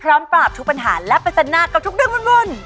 ปราบทุกปัญหาและปัจจันหน้ากับทุกเรื่องวุ่น